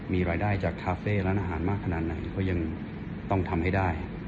มีรายได้จากคาเฟ่ร้านอาหารมากขนาดไหนก็ยังต้องทำให้ได้